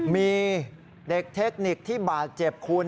มีเด็กเทคนิคที่บาดเจ็บคุณ